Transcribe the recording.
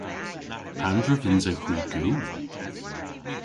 Pandr'a vynsewgh hwi gul?